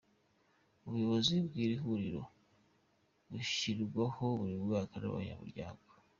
Ubuyobozi bw’iri huriro bushyirwaho buri mwaka n’abanyamuryango.